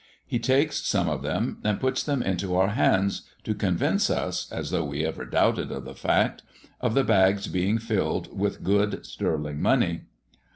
He takes some of them and puts them into our hands, to convince us, as though we ever doubted of the fact, of the bags being filled with good sterling money.